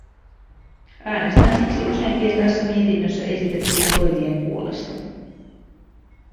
Äänestän siksi useimpien tässä mietinnössä esitettyjen toimien puolesta.